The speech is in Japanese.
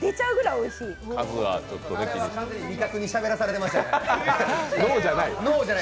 あれは味覚にしゃべらされてましたよね。